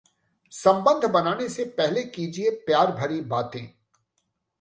'संबंध' बनाने से पहले कीजिए प्यार-भरी बातें...